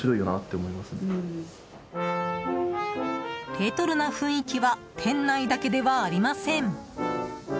レトロな雰囲気は店内だけではありません。